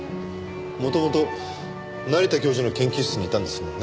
もともと成田教授の研究室にいたんですもんね。